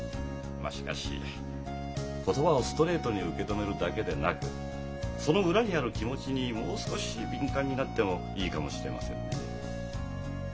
まあしかし言葉をストレートに受け止めるだけでなくその裏にある気持ちにもう少し敏感になってもいいかもしれませんね。